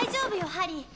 ハリー